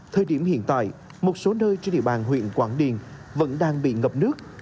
thời điểm hiện tại một số nơi trên địa bàn huyện quảng điền vẫn đang bị ngập nước